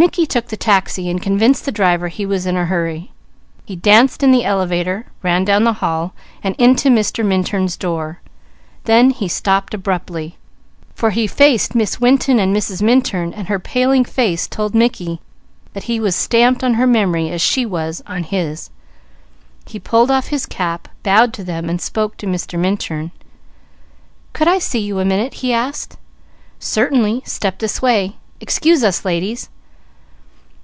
Mickey took the taxi and convinced the driver he was in a hurry. He danced in the elevator, ran down the hall, and into Mr. Minturn's door. There he stopped abruptly, for he faced Miss Winton and Mrs. Minturn, whose paling face told Mickey that he was stamped on her memory as she was on his. He pulled off his cap, and spoke to Mr. Minturn. "Could I see you a minute?" he asked. "Certainly! Step this way. Excuse us ladies."